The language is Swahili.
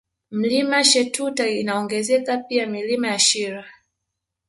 Mlima Shetuta inaongezeka pia Milima ya Shira